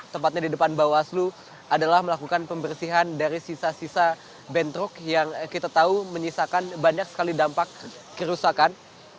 tepatnya di depan bawaslu adalah melakukan pembersihan dari sisa sisa bentrok yang kita tahu menyisakan banyak sekali dampak kerusakan